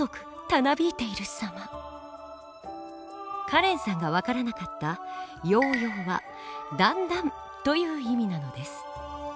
カレンさんが分からなかった「やうやう」は「だんだん」という意味なのです。